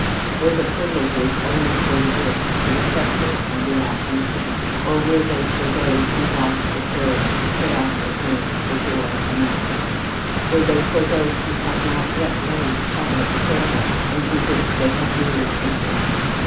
Were the privileges only for the rich, the effective, and the out reaching? Or were they for those who lacked the courage to put out their hands for joy and knowledge? Were they for those who had not yet learned the tongue of the family into which they had newly entered?